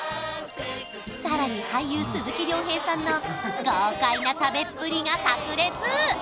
さらに俳優鈴木亮平さんの豪快な食べっぷりがさく裂！